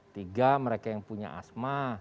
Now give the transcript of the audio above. tiga mereka yang punya asma